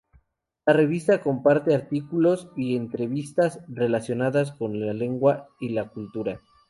La revista comparte artículos y entrevistas relacionadas con la lengua y la cultura.